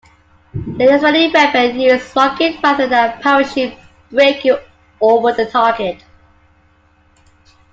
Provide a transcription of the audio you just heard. The Israeli weapon used rocket rather than parachute braking over the target.